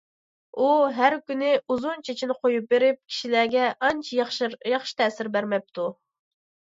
ئۇ ھەر كۈنى ئۇزۇن چېچىنى قويۇپ بېرىپ، كىشىلەرگە ئانچە ياخشى تەسىر بەرمەپتۇ.